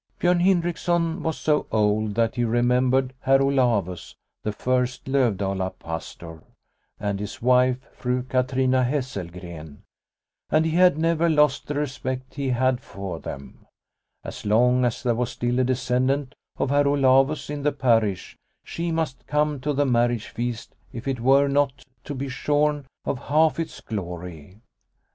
Biorn Hindriksson was so old that he re membered Herr Olavus, the first Lovdala Pastor, and his wife, Fru Katrina Hesselgren, and he had never lost the respect he had for IO2 Liliecrona's Home them. As long as there was still a descendant of Herr Olavus in the parish she must come to the marriage feast if it were not to be shorn of half its glory.